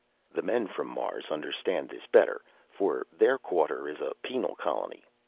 The men from Mars understand this better, for their quarter is a penal colony.